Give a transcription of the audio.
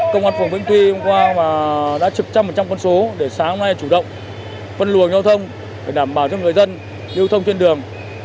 công an phòng vĩnh tuy hôm qua đã chụp trăm một trăm con số để sáng hôm nay chủ động phân luồng giao thông để đảm bảo cho người dân